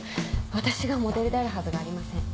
私がモデルであるはずがありません。